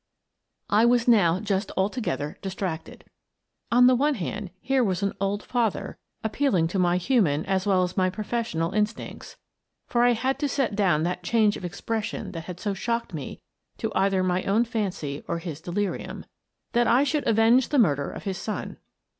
I was now just altogether distracted. On the one hand, here was an old father appealing to my human as well as my professional instincts (for I had to set down that change of expression that had so shocked me to either my own fancy or his de lirium) that I should avenge the murder of his son.